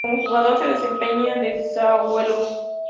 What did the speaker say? Como jugador se desempeñaba de zaguero.